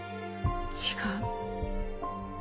違う。